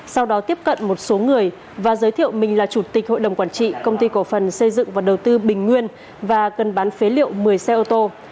sau đó tiếp cận một số người và giới thiệu mình là chủ tịch hội đồng quản trị công ty cổ phần xây dựng và đầu tư bình nguyên và cần bán phế liệu một mươi xe ô tô